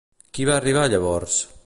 Qui va arribar llavors?